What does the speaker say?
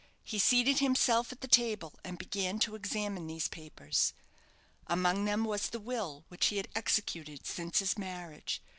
He seated himself at the table, and began to examine these papers. Among them was the will which he had executed since his marriage.